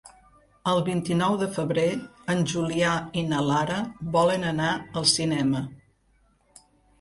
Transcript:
El vint-i-nou de febrer en Julià i na Lara volen anar al cinema.